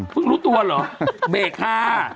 อ๋อเพิ่งรู้ตัวเหรอเบรกค่ะ